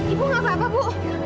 ibu gapapa bu